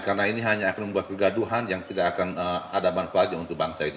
karena ini hanya akan membuat kegaduhan yang tidak akan ada manfaatnya untuk bangsa ini